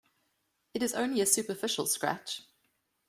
It's only a superficial scratch.